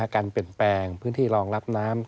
การเปลี่ยนแปลงพื้นที่รองรับน้ำ